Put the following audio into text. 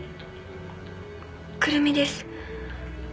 くるみです